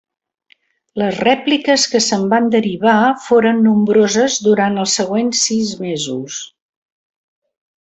Les rèpliques que se'n van derivar foren nombroses durant els següents sis mesos.